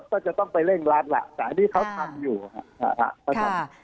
ก็จะต้องไปเร่งรัดล่ะแต่อันนี้เขาทำอยู่ครับ